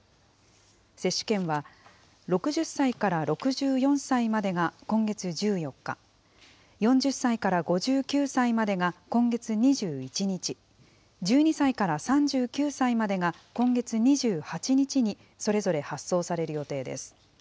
接種券は、６０歳から６４歳までが今月１４日、４０歳から５９歳までが今月２１日、１２歳から３９歳までが今月２８日にそれぞれ発送される予定です。